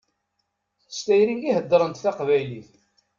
S tayri i heddṛent taqbaylit.